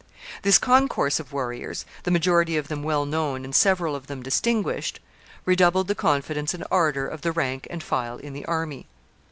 This concourse of warriors, the majority of them well known and several of them distinguished, redoubled the confidence and ardor of the rank and file in the army.